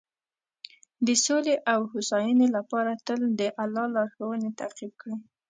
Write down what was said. د سولې او هوساینې لپاره تل د الله لارښوونې تعقیب کړئ.